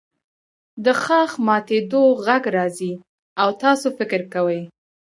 د ښاخ ماتیدو غږ راځي او تاسو فکر کوئ